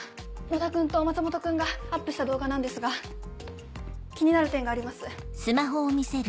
野田君と松本君がアップした動画なんですが気になる点があります。